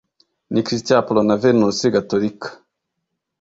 Ni Christian Apollo na Venusi Gatolika